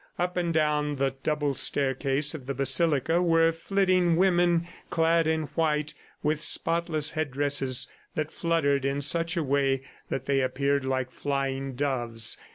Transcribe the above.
Up and down the double staircase of the basilica were flitting women, clad in white, with spotless headdresses that fluttered in such a way that they appeared like flying doves.